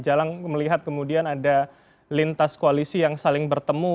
jalan melihat kemudian ada lintas koalisi yang saling bertemu